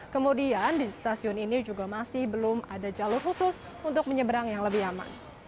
kemudian di stasiun ini juga masih belum ada jalur khusus untuk menyeberang yang lebih aman